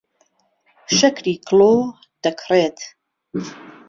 شەکری کڵۆ دەکڕێت.